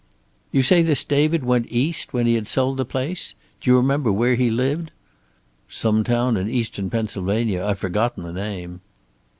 "You say this David went East, when he had sold out the place. Do you remember where he lived?" "Some town in eastern Pennsylvania. I've forgotten the name."